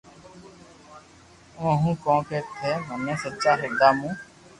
آوہ ھون ڪونڪھ ٿي مني سچا ھردا مون